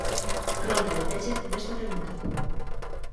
Rolda de peche desta pregunta.